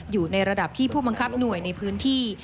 อยู่ในระดับที่ผู้บังคับหน่วยในพื้นที่